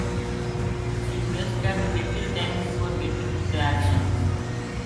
She wasted little time before getting into action.